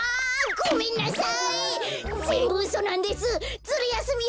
・ごめんなさい！